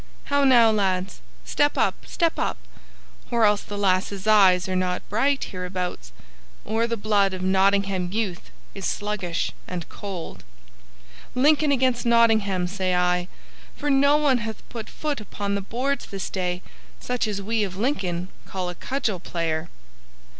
How now, lads? Step up! Step up! Or else the lasses' eyes are not bright hereabouts, or the blood of Nottingham youth is sluggish and cold. Lincoln against Nottingham, say I! For no one hath put foot upon the boards this day such as we of Lincoln call a cudgel player."